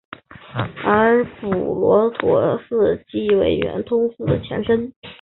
而补陀罗寺即为圆通寺的前身。